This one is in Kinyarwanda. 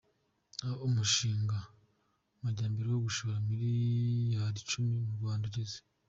Aho umushinga Majyambere wo gushora miliyari icumi mu Rwanda ugeze